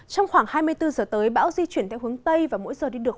trong khoảng hai mươi bốn giờ tới bão di chuyển theo hướng tây và mỗi giờ đi được